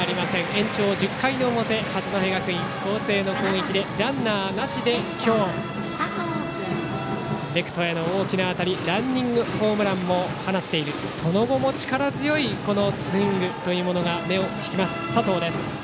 延長１０回表八戸学院光星の攻撃でランナーなしで今日レフトへの大きな当たりランニングホームランも放っているその後も力強いスイングが目を引く佐藤です。